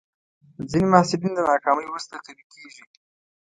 ځینې محصلین د ناکامۍ وروسته قوي کېږي.